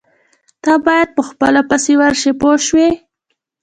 تۀ باید په خپله پسې ورشې پوه شوې!.